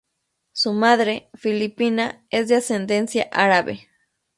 Su madre, filipina, es de ascendencia árabe.